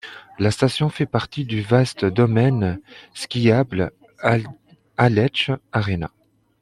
La station fait partie du vaste domaine skiable Aletsch Arena.